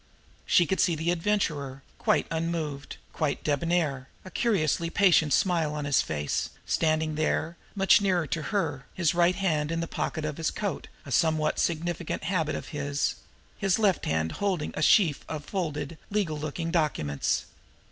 And she could see the Adventurer, quite unmoved, quite debonair, a curiously patient smile on his face, standing there, much nearer to her, his right hand in the side pocket of his coat, a somewhat significant habit of his, his left hand holding a sheaf of folded, legal looking documents.